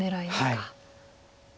はい。